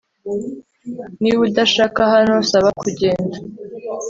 Niba udashaka hano saba kugenda